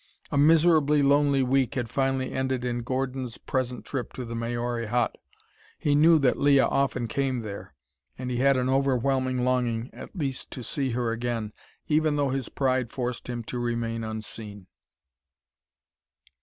A miserably lonely week had finally ended in Gordon's present trip to the Maori Hut. He knew that Leah often came there, and he had an overwhelming longing to at least see her again, even though his pride forced him to remain unseen.